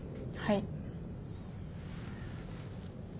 はい。